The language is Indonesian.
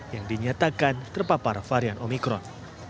yang dinyatakan terpapar varian omikron